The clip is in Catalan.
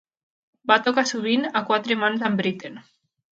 Va tocar sovint a quatre mans amb Britten.